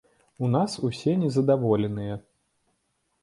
У нас усе незадаволеныя.